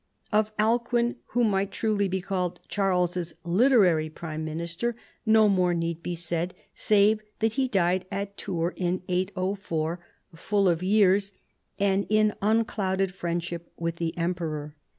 Of Alcuin, who might truly be called Charles's literary prime minister, no more need be said, save that he died at Tours in 804, full of years and in unclouded friendship with the emperor.